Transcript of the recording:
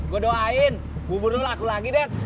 gue doain bubur lo laku lagi dad